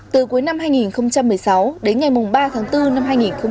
từ cuối năm hai nghìn một mươi sáu đến ngày ba tháng bốn năm hai nghìn một mươi bảy